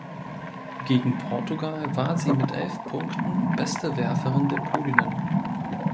Gegen Portugal war sie mit elf Punkten beste Werferin der Polinnen.